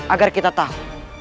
agar kita tahu